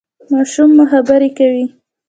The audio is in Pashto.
ماشوم مو خبرې کوي؟